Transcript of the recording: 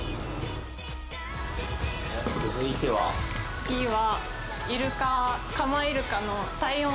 次は。